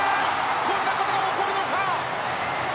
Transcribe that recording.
こんなことが起こるのか！！